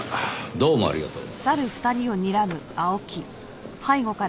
どうもありがとう。